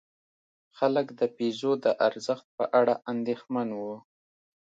خلک د پیزو د ارزښت په اړه اندېښمن وو.